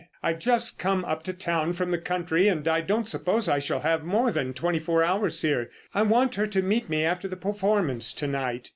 "I've just come up to town from the country, and I don't suppose I shall have more than twenty four hours here. I want her to meet me after the performance to night."